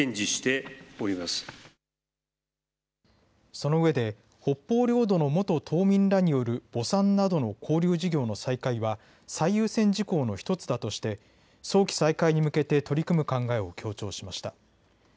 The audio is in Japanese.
そのうえで北方領土の元島民らによる墓参などの交流事業の再開は最優先事項の１つだとして早期再開に向けて取り組む考えを強調しました。